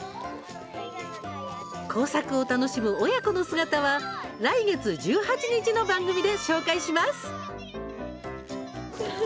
工作を楽しむ親子の姿は来月１８日の番組で紹介します。